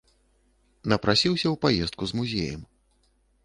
Напрасіўся ў паездку з музеем.